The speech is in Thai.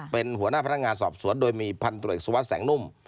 เป็นหัวหน้าพนักงานสอบสวนโดยมีพันตรวจเอกสุวัสดิแสงนุ่ม